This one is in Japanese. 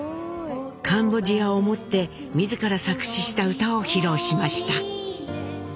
カンボジアを思って自ら作詞した歌を披露しました。